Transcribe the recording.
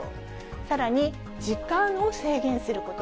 さらに時間を制限すること。